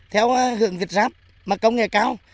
theo hưởng việt giáp mà công nghệ cao